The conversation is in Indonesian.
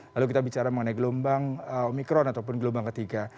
lalu kita bicara mengenai gelombang omikron ataupun gelombang ketiga